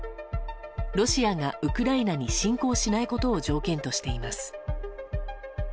ロシアがウクライナに侵攻しないことを条件としています。